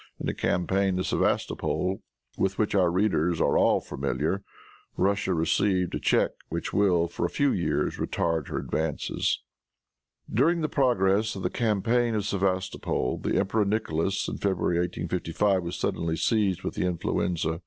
In the campaign of Sevastopol, with which our readers are all familiar, Russia received a check which will, for a few years, retard her advances. During the progress of the campaign of Sevastopol, the emperor Nicholas, in February, 1855, was suddenly seized with the influenza.